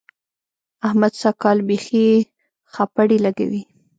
احمد سږ کال بېخي خپړې لګوي.